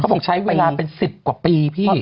บอกใช้เวลาเป็น๑๐กว่าปีพี่